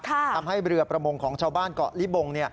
ทำให้เรือประมงของชาวบ้านเกาะลิบง